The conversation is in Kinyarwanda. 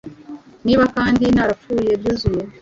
Niba kandi narapfuye byuzuye